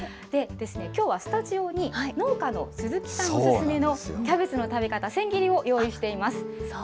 きょうはスタジオに、農家の鈴木さんお勧めのキャベツの食べ方、千切りを用意しています。